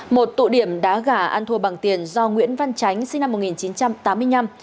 một tụ điểm đá gà ăn thua bằng tiền do nguyễn văn tránh sinh năm một nghìn chín trăm tám mươi năm